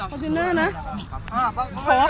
ฝอร์จุนานะ